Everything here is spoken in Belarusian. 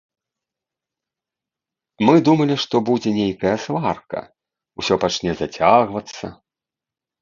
Мы думалі, што будзе нейкая сварка, усё пачне зацягвацца.